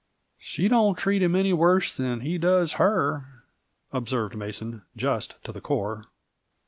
"She don't treat him any worse than he does her," observed Mason, just to the core.